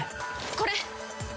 これ！